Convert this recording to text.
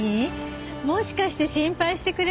もしかして心配してくれた？